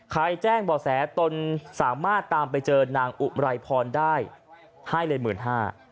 ใครแจ้งบ่อแสต้นสามารถตามไปเจอนางอุ๋มไรพรได้ให้เลย๑๕๐๐๐บาท